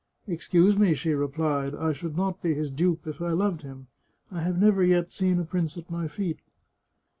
" Excuse me," she replied. " I should not be his dupe if I loved him. I have never yet seen a prince at my feet."